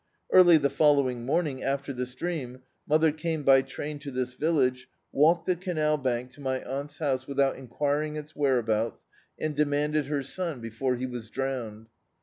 Early the following morning, after this dream, mother came by train to this vil lage, walked the canal bank to my aunt's house, without enquiring its whereabouts, and demanded her son before he was drowned.